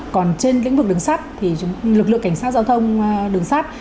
còn trên lĩnh vực đường sắt thì lực lượng cảnh sát giao thông đường sắt